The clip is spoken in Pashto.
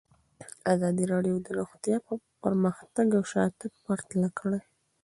ازادي راډیو د روغتیا پرمختګ او شاتګ پرتله کړی.